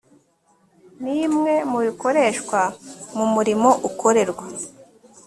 nimwe mu bikoreshwa mu murimo ukorerwa